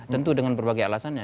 tentu dengan berbagai alasannya